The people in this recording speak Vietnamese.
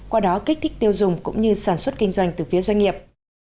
qua đó kích thích tiêu dùng cũng như sản xuất kinh doanh từ phía doanh nghiệp